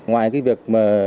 ngoài cái việc